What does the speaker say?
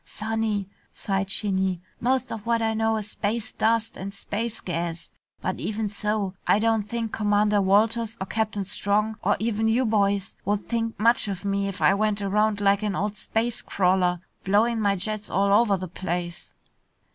"Sonny," sighed Shinny, "most of what I know is space dust and space gas. But even so, I don't think Commander Walters or Captain Strong, or even you boys, would think much of me if I went around like an old space crawler, blowin' my jets all over the place."